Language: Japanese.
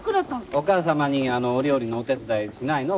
お母様にお料理のお手伝いしないの？